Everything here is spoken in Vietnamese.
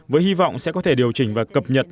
với hy vọng sẽ có thể điều chỉnh và cập nhật